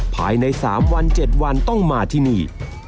ภายใน๓วัน๗วันต้องมาที่นี่